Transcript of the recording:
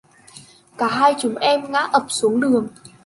cả hai chúng em ngã ập xuống đường